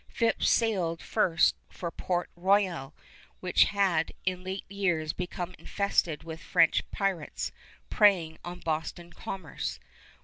Phips sailed first for Port Royal, which had in late years become infested with French pirates, preying on Boston commerce.